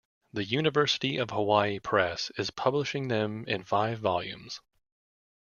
The University of Hawaii Press is publishing them in five volumes.